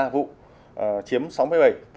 ba trăm bảy mươi ba vụ chiếm sáu mươi bảy ba